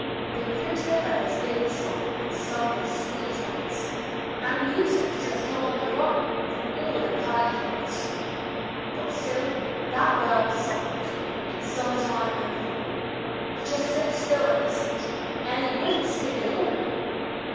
They primped their feathers in the sun. An' sung their sweetest notes; An' music jest come on the rim From all their purty throats 1 But still that bird was silent In summer time an' fall ; He jest set still an' listened. An' he would n't sing at all